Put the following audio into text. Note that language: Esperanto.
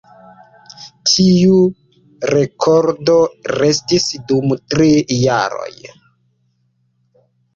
Tiu rekordo restis dum tri jaroj.